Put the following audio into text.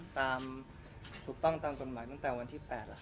ถามให้ดึงสินสอดทองมั่นเหรอ